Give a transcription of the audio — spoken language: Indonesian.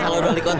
kalau dali kontas